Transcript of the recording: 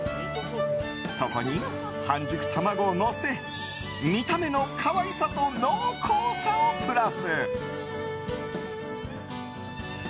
そこに半熟卵をのせ見た目の可愛さと濃厚さをプラス。